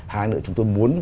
hai nữa chúng tôi muốn